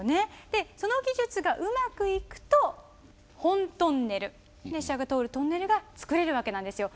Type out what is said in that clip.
でその技術がうまくいくと本トンネル電車が通るトンネルが造れるわけなんですよ。